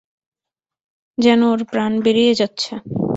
যেন ওর প্রাণ বেরিয়ে যাচ্ছে।